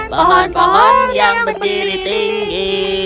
pohon pohon yang berdiri tinggi